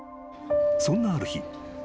［そんなある日。